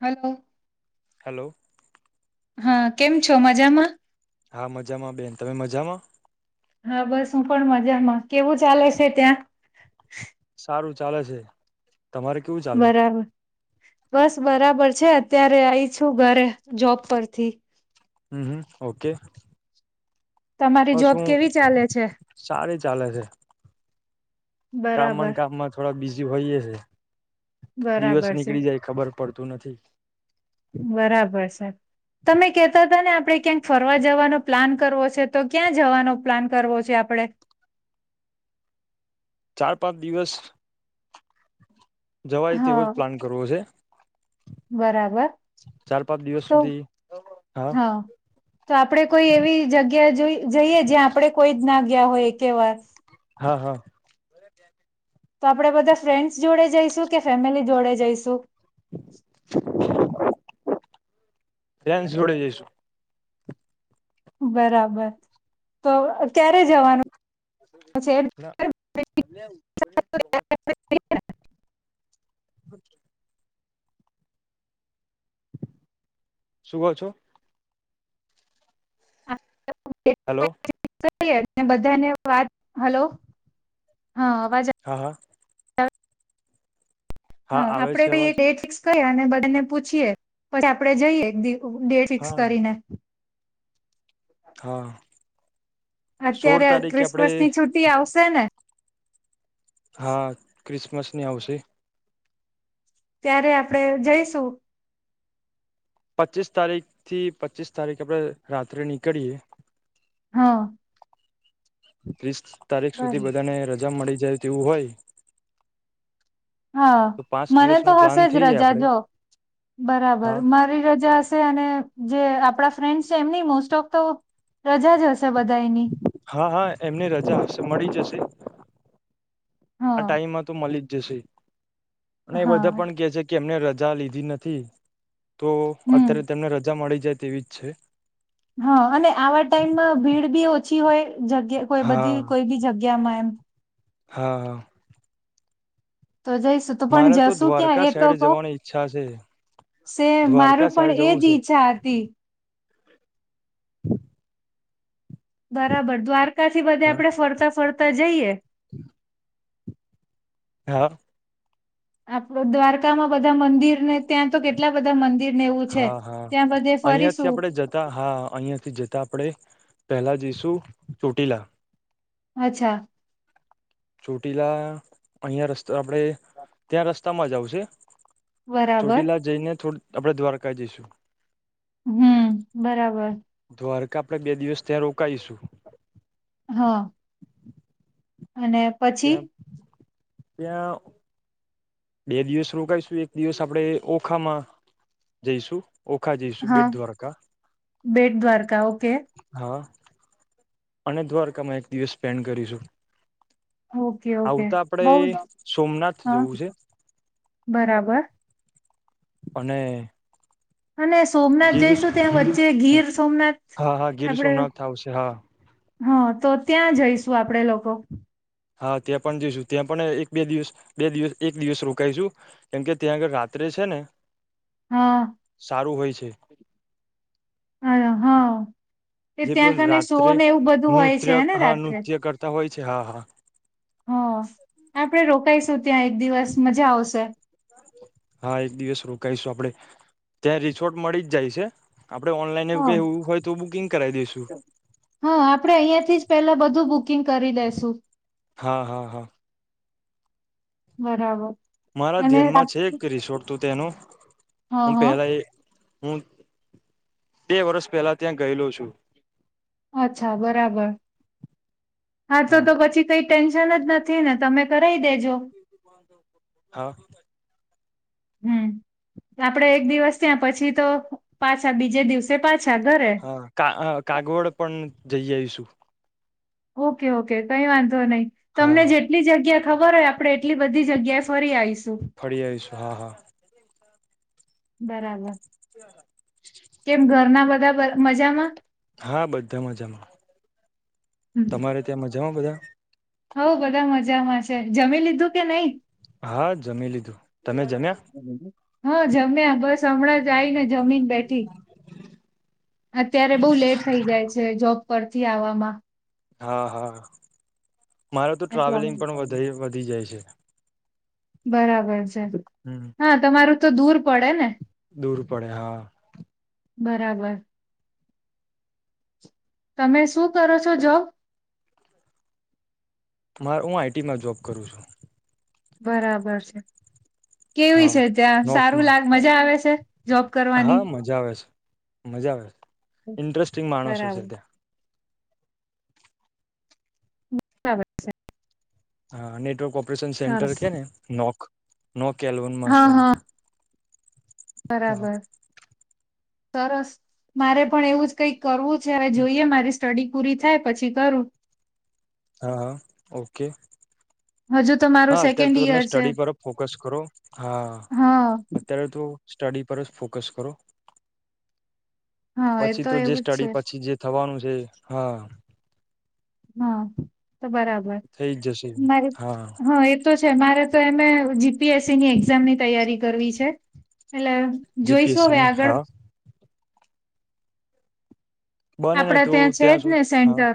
Hello. Hello. હા કેમ છો મજામાં? હા મજામાં બેન તમે મજામાં? હા બસ હું પણ મજામાં કેવું ચાલે છે ત્યાં? સારું ચાલે છે તમારે કેવું ચાલે? બરાબર બસ બરાબર છે અત્યારે આઈ છું ઘરે જોબ પરથી. હમ હમ ઓકે. તમારી બસ જોબ હું કેવી ચાલે છે? સારી ચાલે છે કામ બરાબર કામમાં થોડા બીઝી હોયએ છે. દિવસ બરાબર છે નીકળી જાય ખબર પડતું નથી. બરાબર સર. તમે કેતા હતા ને આપડે ક્યાંક ફરવા જવાનો પ્લાન કરવો છે તો ક્યાં જવાનો પ્લાન કરવો જે આપડે. [inaudible] ચાર પાંચ દિવસ જવાય તેવો જ હા પ્લાન કરવો છે. બરાબર. ચાર પાંચ દિવસ તો સુધી હા તો આપડે કોઈ એવી જગ ગ્યા જઈ જઈએ જ્યાં આપડે કોઈ જ ના ગયા હોય એકે વાર. હા હા. તો આપડે. બધા ફ્રેન્ડ્સ જોડે જઈશું કે ફેમિલી જોડે જઈશું [inaudible] ફ્રેન્ડ્સ જોડે જઈશું. બરાબર તો ક્યારે જવાનું? છે? ના [inaudible] શું કો છો હલો બધા ને વાત હલો. હા હા. અ. હા આવે છે આપડે અવાજ [unintelligible] ફિકસ ક અને બધાને પૂછીએ પછી આપડે જઈએ એક ડેટ ફિક્સ હા કરીને. હા. સોળ અત્યારે તારીખે આપણે ક્રિસમસ ની છુટી આવશે ને. હા ક્રિસમસ ની આવશે. ત્યારે આપડે જઈશું પચીસ તારીખથી પચીસ તારીખ આપડે રાત્રે નીકળીયે. હા. ત્રીસ તારીખ સુધી બધાને રજા મળી જાય તેવું હોય. હા તો પાંચ મને દિવસનો તો પ્લાન હશે જ થઈ જાય રજા આપડે જો. હા બરાબર મારી રજા હશે અને જે આપડા ફ્રેન્ડ છે એમની મોસ્ટ ઓફ તો રજા જ હશ. હા હા એમને રજા હશે મળી જશે. આ હા ટાઈમમાં તો મળી જ જશે અને એ બધા હા પણ કે છે કે એમને ર જા લીધી નથી તો હમ અત્યારે તને રજા મળી જાય તેવીજ છે. હા અને આવા ટાઈમમાં ભીડ બી ઓછી હોય. જગ્યા કોઈ હા બધી કોઈ બી જગ્યા માં એમ. હા. તો જઈશું તો પણ મારે તો જશુ ક્યાં દ્વારકા એ તો સાઈડ કો. જવાની ઈચ્છા છે સે દ્વારકા મારું પણ સાઈડ જવું એજ છે ઈચ્છા હતી. [inaudible] બરાબર દ્વારકાથી બધે હા આપડે ફરતા ફરતા જઈએ. [inaudible] [unintelligible] આપડ દ્વારકામાં બધા મંદિરને ત્યાં તો કેટલા બધા મંદિર ને એવું છે હા, હા, ત્યાં બધે અહિયાથી ફરીશું આપડે જતા, હા અહિયાથી જતા આપડે પેહેલા જઈશું ચોટીલા અચ્છા. ચોટીલા અહયા રસ્તા આપડે ત્યાં રસ્તામાં જ આવશે. બરાબર ચોટીલા જઈને થોડ આપડે દ્વારકા જઈશું. હમ, બરાબર. દ્વારકા આપડે બે દિવસ ત્યાં રોકાઈશું. હા. અને પછી ત્યાં ત્યાં બે દિવસ રોકાઈશું. એક દિવસ આપડે ઓખામાં જઈશું. ઓખા જઈશું, હા બેટ દ્વારકા. બેટ દ્વારકા ઓકે હન અને દ્વારકામાં એક દિવસ સ્પેન્ડ કરીશું. ઓકે ઓકે આવતા આપડે બઉ સોમનાથ હા જવું છે. બરાબર અને અને સોમનાથ ગીર જઈશું ત્યાં વચ્ચે ગીર સોમનાથ હા હા ગીર આપડ સોમનાથ આવશે હા હન, તો ત્યાં જઈશું આપડે લોકો. હન, ત્યાં પણ જઈશું. ત્યાં પણ એક-બે દિવસ બે દિવસ એક દિવસ રોકાઈશું. કેમ કે ત્યાં આગળ રાત્રે જે છે ને હા સારું હોય છે. [unintelligible] હન. એ જે ત્યાં પેલું કને શો રાત્રે ને એવું બધું હોય છે નૃત્ય હેને હા રાત્રે. નૃત્ય કરતા હોય હા, હા. હઅ. આપડે રોકાઈશું ત્યાં એક દિવસ મજા આવશે. હા, એક દિવસ રોકાઈશું આપડે. ત્યાં રિસોર્ટ મળી જ જાય છે. આપડે ઓનલાઈન હઅ, એવું કઈ એવું હોય તો બુકિંગ કરાવી દઈશું હન, આપડે અહિયાંથી જ પેલા બધું બુક કિંગ કરી દેશું. હા, હા, હા બરાબર. મારા અને હા ધ્યાનમાં છે એક રિસોર્ટ તું તેનું હું હા પેલા એ હું બે વર્ષ પહેલા ત્યાં ગયેલો છું. અચ્છા, બરાબર. હા, તો તો પછી કઈ ટેન્શન જ નથી ને તમે કરાઇ દેજો. હા હમ, આપડે એક દિવસ ત્યાં પછી તો પાછા બીજે દિવસે પા હન, કા કાગવડ પણ જઈ આઈશું. ઓકે, ઓકે, કઈ વાંધો નઈ તમને હા જેટલી જગ્યા ખબર હોય આપડે એટલી બધી જગ્યાએ ફરી આઈશ. ફરી આવીશું. હા, હા બરાબર. કેમ, ઘરના બધા બ મજામાં? હા, બધા મજામાં. તમારે ત્યાં મજામાં બધા? હવ, બધા મજામાં છે. જમી લીધું કે નહી? હા, જમી લીધું. તમે જમ્યા? હન, જમ્યા બસ હમણાં જ આઈને જમીન બેઠી. અત્યારે બઉ લેટ થઈ જાય છે. જોબ પરથી આવવામાં. હા, હા મારે તો એટલા ટ્રાવેલિંગ પણ માટે. વધે વધી જાય છે. બરાબર છે. હમ હા તમારું તો દૂર પડે ને. દૂર પડે હા બરાબર તમે શું કરો છો જો મારે હું આઈટીમાં જોબ કરું છું બરાબર છે કેવી હા છે ત્યાં સારું નોકમાં લાગ મજા આવે છે જોબ કરવાની હા મજા આવે મજા આવે છે ઇન્ટરેસ્ટિંગ માણસો છે બરાબર ત્યાં બરાબર છે હા નેટવર્ક ઓપરેશન સેન્ટર સરસ કે ને નોક નો કેલવનમાં હા છું હા હા બરાબર સરસ મારે પણ એવું જ કઈક કરવું છે હવે જોઈએ મારી સ્ટડી પૂરી થાય પછી કરું હા હા ઓકે હજુ તો મારું હા અત્યારે સેકન્ડ તો તમે ઈયર છે સ્ટડી પર ફોકસ કરો હા હા અત્યારે તો સ્ટડી પર જ ફોકસ કરો હા એ પછી તો જે એવું જ છે સ્ટડી પછી જે થવાનું છે હા હા તો બરાબર થઈ જ જશે મારી હા એ તો છે મારે તો એમે જીપીએસસી ની એક્ઝામની તૈયારી કરવી છે એટલે જોઈશું હવે જીપીએસસીની આગળ હા બને ને આપડા તો ત્યાં છે જ ને સુધી હા સેન્ટર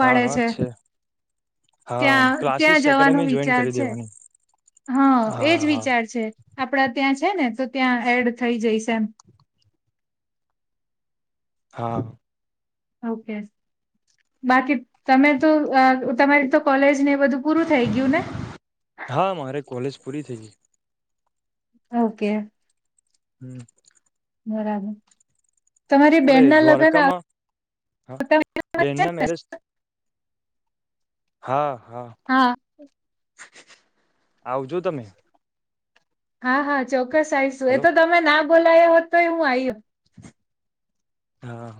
હા હા છે હા ત્યાં ત્યાં ક્લાસીસ જવાનો એકેડેમી જોઈન વિચાર કરી છે દેવાની હા એજ વિચાર છે આપડા ત્યાં છે ને તોહ ત્યાં એડ થઈ જાઈશ હા ઓકે બાકી તમે તો તમારી તો કોલેજને એ બધું પૂરું થઈ ગયું ને હા મારે કોલેજ પૂરી થઈ ગઈ ઓકે હમ બરાબર તમારી આપડે બેન ના લગ્ન દ્વારકામાં હા બેન ના મેરેજ હા [unintelligible] હા [unintelligible] આવજો તમે હા હા ચોક્કસ આવીશું એ હેલો તો તમે ના બોલાયો હોત તોય હું આવી હોત હા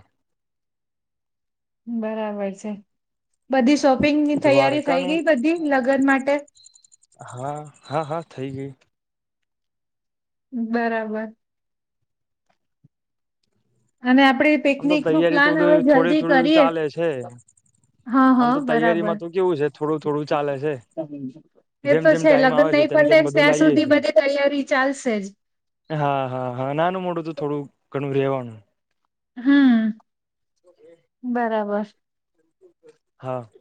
બરાબર છે બધી શોપિંગ શોપિંગ ની તૈયારી થઈ દ્વારકાનું ગઈ બધી લગન માટે હા હા હા થઈ ગઈ બરાબર અને આપડી આમ તો પિકનિક નું તૈયારી તો પ્લાન હવે બધું થોડી જલ્દી થોડી કરીએ ચાલે છે હા આમ હા તો બરાબર તૈયારીમાં તો કેવું છે થોડું થોડું ચાલે છે એ જેમ તો જેમ છે ટાઈમ લગ્ન આવે છે નહીં તેમ પણતા તેમ બધું ત્યાં લાઈએ સુધી છે બધી તૈયારી ચાલશે જ હા હા હા નાનું મોડું તો થોડું ઘણું રહેેવાનું હમ ઓ વહ [inaudible]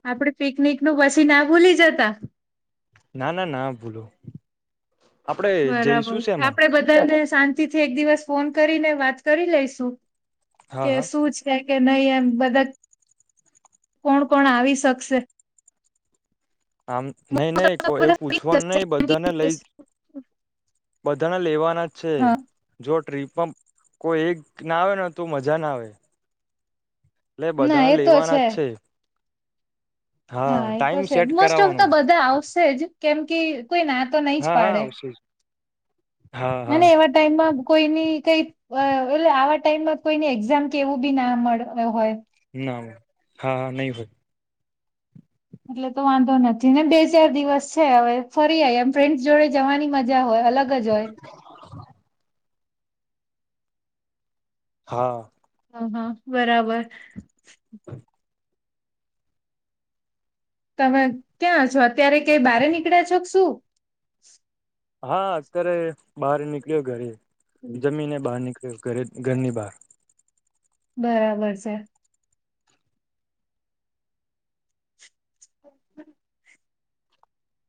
આપડ પિકનિક નું પછી ના ભૂલી જતા ના ના ના ભૂલું બરાબર આપડે બધાને શાંતિ થી એક દિવસ ફોન કરીને વાત કરી લઈશું. હા કે હા શું છે, કે નહી એમ બધા કોણ કોણ આવી શકશે, આમ મોસ્ટ નઈ ઓફ નહી તો કોઈ એવું બધા ફ્રી પૂછવાનું જશે નહીિ કેમ કે બધાને લઈ ઇંગ્લિશ. બધાને લેવાના જ છે હા જો ટ્રીપમાં કોઈ એક ના આવે તો મજા ના આવે એટલે ના બધાને એ તો લેવાના જ છે, હા એ તો ટાઈમ છે સેટ મોસ્ટ ઓફ કરાવવાનો તો બધા આવશે જ કેમ કે કોઈ ના તો નઈ જ હા હા પાડે આવશે જ હા અને હા એવા ટાઈમમાં કોઈની કઈ એટલે આવા ટાઈમમાં કોઈની એક્ઝામ કેવું બી નડતું હોય, ના હા હા નહી હોય એટલે તો વાંધો નથી ને બે ચાર દિવસ છે હવે ફરી આ એમ ફ્રેન્ડસ જોડે જવાની મજા હોય, અલગ જ હોય. હા હ હા બરાબર હમ્મ તમે ક્યાં છો અત્યારે કઈ બહાર નીકળ્યા છો કે શું? હા, અત્યારે બહાર નીકળ્યો ઘરે જમીને બહાર નીકળ્યો. ઘરે ઘરની બાર બરાબર છે, [unintelligible]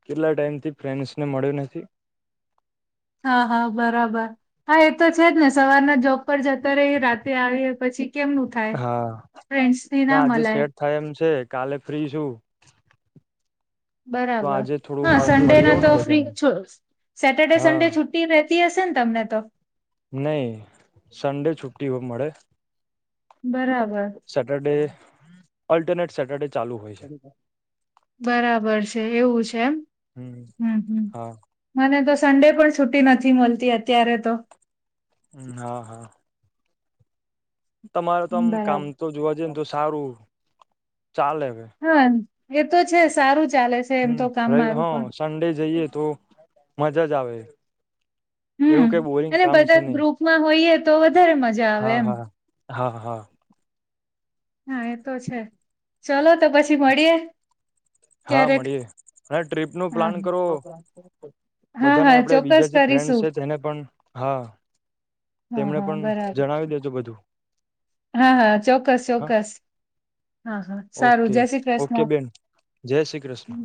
કેટલા ટાઈમ થી ફ્રેન્સ ને મળ્યો નથી, હા હા બરાબર હા એ તો છે, જ ને સવારના જોબ પર જતા રહીયે રાતે આવીએ પછી કેમનું થાય હા ફ્રેન્ડસની ના આજે મલાય સેટ થાય એમ છે કાલે ફ્રી છું, તો બરાબર આજે થોડું હા મળ સન્ડે મળી ના આવું ને તો ફ્રી બધાને સેટરડે હા સડે છુટ્ટી રહે તી હશે ને તમને તો? નહી સન્ડે છુટ્ટી મળે બરાબર સેટરડે અલ્ટરનેટ સેટરડે ચાલુ હોય છે, બરાબર છે, એવું છે એમ હમ્મ હમ્મ મને તો સન્ડે પણ છુ્ટી નથી મળતી અત્યારે તો હા હા તમારે તો આમ કામ બરાબર તો જોવા જઈએ ને તો સારું ચાલ એ હ હા એ તો છે સારું છે, ચાલે એમ હમ્મ તો કામ ર હ મારું પણ સન્ડે જઈએ તો મજા જ આવે, હમ્મ એવું કઈ બોરિંગ અને કામ છે બધા નહી ગ્રુપમાં હોઈએ તો વધારે મજા આવે હા એમ. હા હા હા હા એ તો છે, ચલો તો પછી મળીએે. હા મળીએે અને ટ્રીપ નું હા પ્લાન કરો, હા બધાને હા આપણે ચોક્કસ બીજા જે ફ્રેન્ડ કરીશું છે તેને પણ હા હા તેમને હા પણ બરાબર જણાવી દેજો બધું. હા હા ચોક્કસ હા ચોક્કસ હા હા સારું ઓકે જય શ્રી ઓકે કૃષ્ણ. બેન જય શ્રી કૃષ્ણ.